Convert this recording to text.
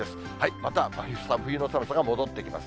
また真冬の寒さが戻ってきます。